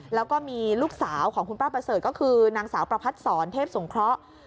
แล้วก็มีลูกสาวของคุณป้าประเสริฐก็คือนางสาวประพัดศรเทพสงเคราะห์